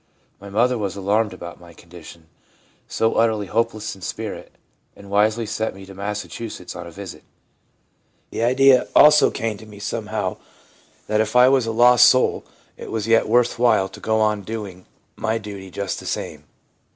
My mother was alarmed about my condition, so utterly ADOLESCENCE— STORM AND STRESS 227 hopeless in spirit, and wisely sent me to Massachusetts on a visit. The idea also came to me somehow that if I was a lost soul it was yet worth while to go on doing my duty just the same.